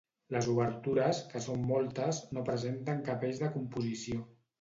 Les obertures, que són moltes, no presenten cap eix de composició.